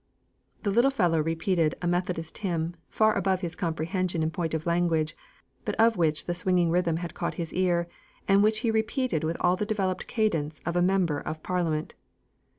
The little fellow repeated a Methodist hymn, far above his comprehension in point of language, but of which the swinging rhythm had caught his ear, and which he repeated with all the developed cadence of a member of parliament.